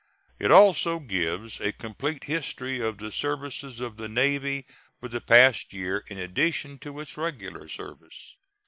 It also gives a complete history of the services of the Navy for the past year in addition to its regular service.